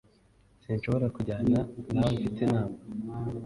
Sinshobora kujyana nawe Mfite inama